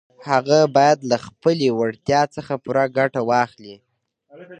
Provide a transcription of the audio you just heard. هغه بايد له خپلې وړتيا څخه پوره ګټه واخلي.